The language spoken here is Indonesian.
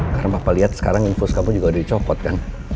karena papa liat sekarang infus kamu juga udah dicopot kan